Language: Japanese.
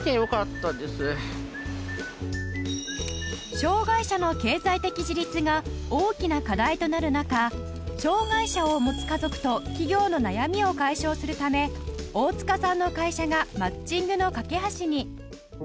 障がい者の経済的自立が大きな課題となる中障がい者を持つ家族と企業の悩みを解消するため大塚さんの会社がマッチングの架け橋に